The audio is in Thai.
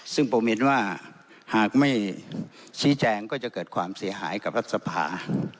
ซึ่งผมเห็นว่าหากไม่ชี้แจงก็จะเกิดความเสียหายกับรัฐสภา